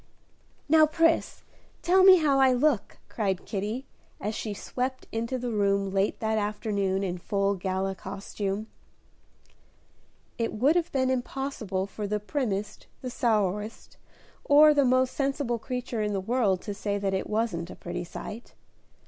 "Now, Pris, tell me how I look," cried Kitty, as she swept into the room late that afternoon in full gala costume. It would have been impossible for the primmest, the sourest, or the most sensible creature in the world to say that it wasn't a pretty sight.